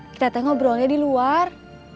kita tengok berolah di luar